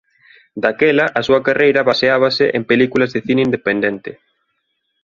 Daquela a súa carreira baseábase en películas de cine independente.